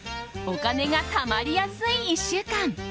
お金がたまりやすい１週間。